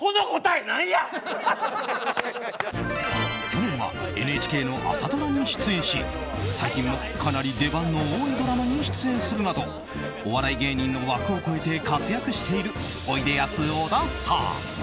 去年はＮＨＫの朝ドラに出演し最近もかなり出番の多いドラマに出演するなどお笑い芸人の枠を超えて活躍しているおいでやす小田さん。